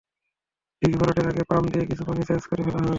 দীঘি ভরাটের আগে পাম্প দিয়ে কিছু পানি সেচ করে ফেলা হয়।